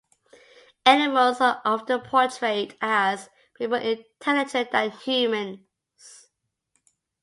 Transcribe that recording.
Animals are often portrayed as being more intelligent than humans.